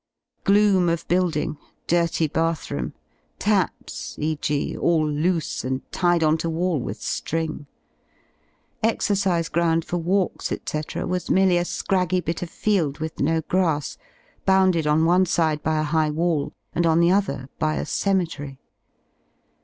Gloom of building, dirty bathroom: taps, e.g.f all loose and tied on to wall with ^ring. Exercise ground for walks, ^c, was merely a scraggy bit of field, with no grass, bounded on one side by a high wall and on the other by a cemetery.